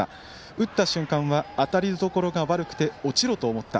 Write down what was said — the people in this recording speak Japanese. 打った瞬間は当たりどころが悪くて落ちろ！と思った。